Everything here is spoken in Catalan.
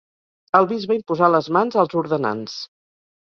El bisbe imposà les mans als ordenands.